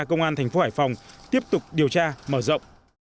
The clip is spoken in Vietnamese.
công an thành phố hải phòng tiếp tục điều tra mở rộng